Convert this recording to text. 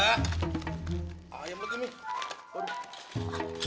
ayam lu tuh nih